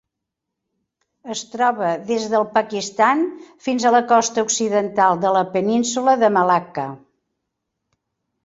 Es troba des del Pakistan fins a la costa occidental de la Península de Malacca.